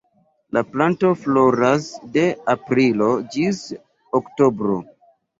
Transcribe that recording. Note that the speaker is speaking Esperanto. La planto floras de aprilo ĝis oktobro.